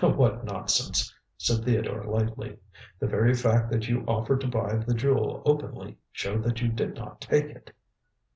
"What nonsense!" said Theodore lightly. "The very fact that you offered to buy the jewel openly, showed that you did not take it."